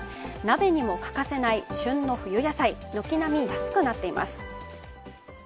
鍋にも欠かせない旬の冬野菜、軒並み安くなっています。